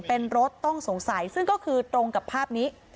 เป็นรถต้องสงสัยซึ่งก็คือตรงกับภาพนี้